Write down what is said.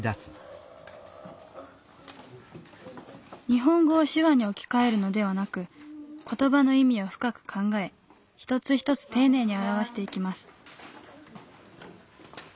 日本語を手話に置き換えるのではなく言葉の意味を深く考え一つ一つ丁寧に表していきます。